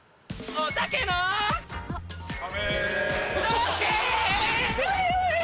おたけの壁。